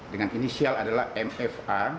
dengan inisial adalah mfa